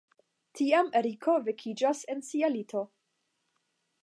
Tiam Eriko vekiĝas en sia lito.